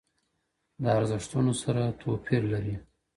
د ارزښتونو سره توپير لري